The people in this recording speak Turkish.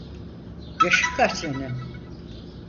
Yaşın kaç senin?